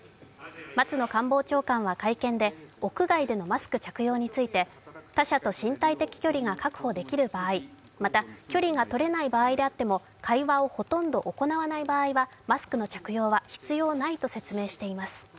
松野官房長官は会見で屋外でのマスク着用について他者と身体的距離が確保できる場合、また距離がとれない場合であっても、会話をほとんど行わない場合はマスクの着用は必要ないと説明しています。